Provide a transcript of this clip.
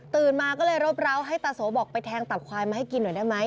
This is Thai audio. มาก็เลยรบร้าวให้ตาโสบอกไปแทงตับควายมาให้กินหน่อยได้ไหม